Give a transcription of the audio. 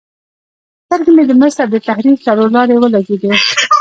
سترګې مې د مصر د تحریر څلور لارې ولګېدې.